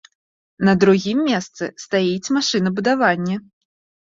На другім месцы стаіць машынабудаванне.